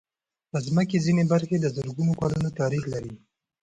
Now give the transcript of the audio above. د مځکې ځینې برخې د زرګونو کلونو تاریخ لري.